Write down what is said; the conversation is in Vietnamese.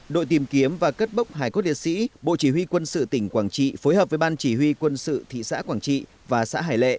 đội tìm kiếm và cất bốc hải quốc liệt sĩ bộ chỉ huy quân sự tỉnh quảng trị phối hợp với ban chỉ huy quân sự thị xã quảng trị và xã hải lệ